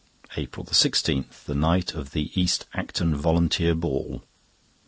APRIL 16.—The night of the East Acton Volunteer Ball.